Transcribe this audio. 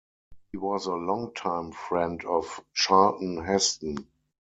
He was a long-time friend of Charlton Heston.